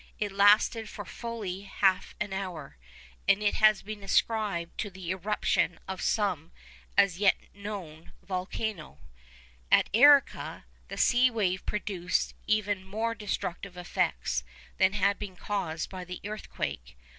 It lasted for fully half an hour, and has been ascribed to the eruption of some as yet unknown volcano. At Arica the sea wave produced even more destructive effects than had been caused by the earthquake.